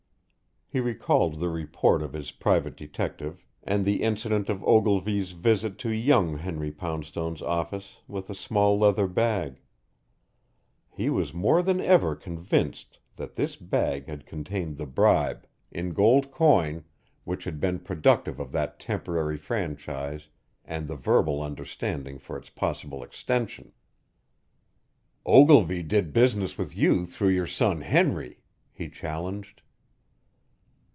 He recalled the report of his private detective and the incident of Ogilvy's visit to young Henry Poundstone's office with a small leather bag; he was more than ever convinced that this bag had contained the bribe, in gold coin, which had been productive of that temporary franchise and the verbal understanding for its possible extension. "Ogilvy did business with you through your son Henry," he challenged.